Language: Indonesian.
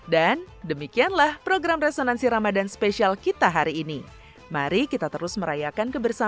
bagaimanapun juga berbuka dan sahur bersama itu selalu istimewa